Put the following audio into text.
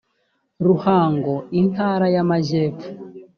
ruhango intara y amajyepfo